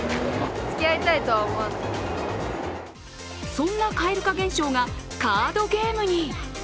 そんな蛙化現象がカードゲームに。